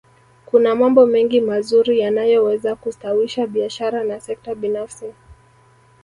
kuna mambo mengi mazuri yanayoweza kustawisha biashara na sekta binafsi